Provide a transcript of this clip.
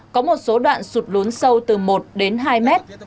có một số đoạn sụt lún sâu từ một đến hai mét